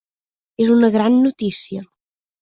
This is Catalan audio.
És una gran notícia.